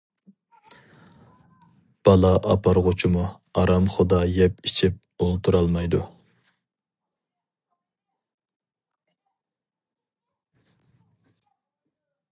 بالا ئاپارغۇچىمۇ ئارام خۇدا يەپ-ئېچىپ ئولتۇرالمايدۇ.